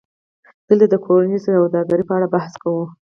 دلته د کورنۍ سوداګرۍ په اړه بحث کوو